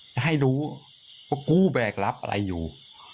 จะให้รู้ว่ากูแบกรับอะไรอยู่